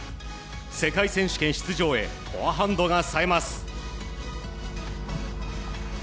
世界選手権出場へフォアハンドが冴えます。